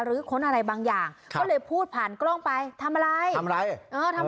หรือคนอะไรบางอย่างก็เลยพูดผ่านกล้องไปทำอะไรเอ่อทำไงฮะ